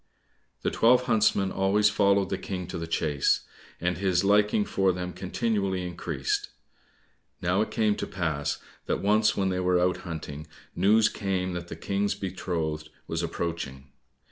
The twelve huntsmen always followed the King to the chase, and his liking for them continually increased. Now it came to pass that once when they were out hunting, news came that the King's betrothed was approaching.